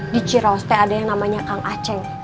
di ciraoste ada yang namanya kang aceng